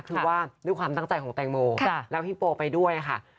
คือว่าด้วยความตั้งใจของแตงโมแล้วฮิงโปไปด้วยค่ะ